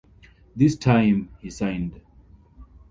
This time, he signed.